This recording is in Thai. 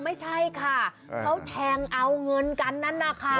ไม่ใช่ค่ะเขาแทงเอาเงินกันนั้นนะคะ